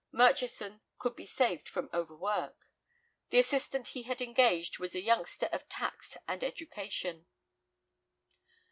Murchison could be saved from overwork. The assistant he had engaged was a youngster of tact and education.